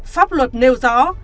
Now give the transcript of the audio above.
pháp luật nêu rõ